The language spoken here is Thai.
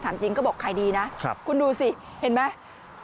จริงก็บอกขายดีนะคุณดูสิเห็นไหม